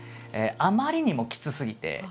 あまりにもきつすぎて。